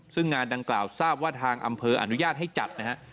ซึ่งงานดังกล่าวทราบว่าทางอำเภออนุญาตให้จัดนะฮะ